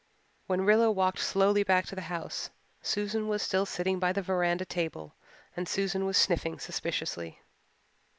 When Rilla walked slowly back to the house Susan was still sitting by the veranda table and Susan was sniffing suspiciously.